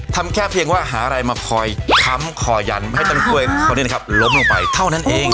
ทำแค่เพียงว่าหาอะไรมาคอยค้ำคอยันให้ต้นกล้วยคนนี้นะครับล้มลงไปเท่านั้นเอง